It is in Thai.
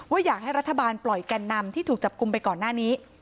อยากให้รัฐบาลปล่อยแก่นนำที่ถูกจับกลุ่มไปก่อนหน้านี้